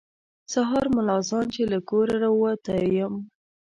سهار ملا اذان چې له کوره راوتی یم.